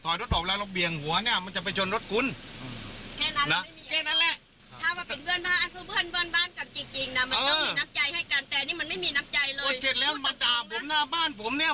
ต่อยออกไม่ได้แล้วมันด่าโวยวงโวยวาย